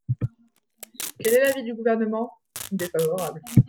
Quel est l’avis du Gouvernement ? Défavorable.